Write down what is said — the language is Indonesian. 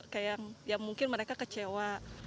kayak yang mungkin mereka kecewa